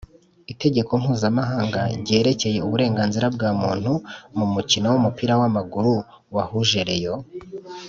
Itegeko Mpuzamahanga ryerekeye uburenganzira bwa Muntu mu mukino w umupira w amaguru wahuje Rayon